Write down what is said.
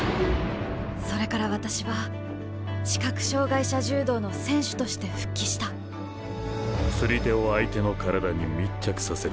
それから私は視覚障害者柔道の選手として復帰した釣り手を相手の体に密着させる。